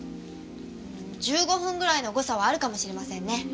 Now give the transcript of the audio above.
１５分ぐらいの誤差はあるかもしれませんね。